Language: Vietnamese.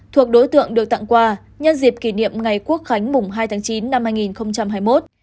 thuộc đối tượng được tặng quà nhân dịp kỷ niệm ngày quốc khánh mùng hai tháng chín năm hai nghìn hai mươi một